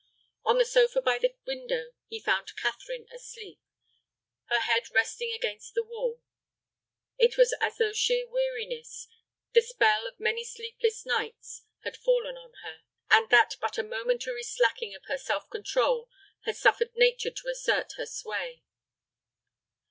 On the sofa by the window he found Catherine asleep, her head resting against the wall. It was as though sheer weariness, the spell of many sleepless nights, had fallen on her, and that but a momentary slacking of her self control had suffered nature to assert her sway.